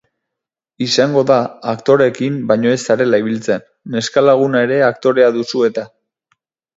Izango da aktoreekin baino ez zarela ibiltzen, neskalaguna ere aktorea duzu eta.